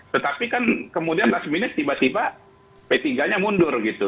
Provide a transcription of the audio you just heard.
tetapi kan kemudian last minute tiba tiba p tiga nya mundur gitu